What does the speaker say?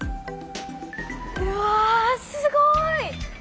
うわすごい！